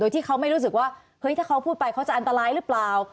ที่เขาไม่รู้สึกว่าเฮ้ยถ้าเขาพูดไปเขาจะอันตรายหรือเปล่า